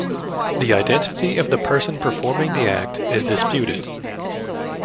The identity of the person performing the act is disputed.